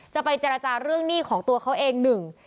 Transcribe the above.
จะไปเจรจาเรื่องหนี้ของตัวเขาเองหนึ่ง